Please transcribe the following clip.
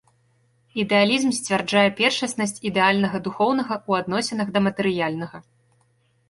Ідэалізм сцвярджае першаснасць ідэальнага духоўнага ў адносінах да матэрыяльнага.